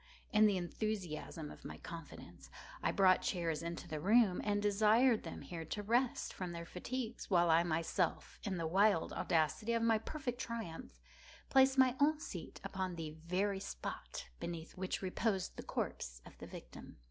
In the enthusiasm of my confidence, I brought chairs into the room, and desired them here to rest from their fatigues, while I myself, in the wild audacity of my perfect triumph, placed my own seat upon the very spot beneath which reposed the corpse of the victim.